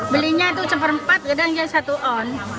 belinya itu seperempat kadangnya satu on